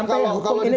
nggak ada kompromis